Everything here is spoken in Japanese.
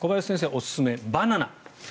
おすすめ、バナナ。